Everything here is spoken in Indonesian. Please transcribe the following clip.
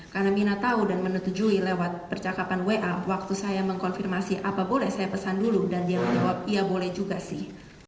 karena mirna tahu dan menetujui lewat percakapan wa waktu saya mengkonfirmasi apa boleh saya pesan dulu dan dia menjawab iya boleh juga sih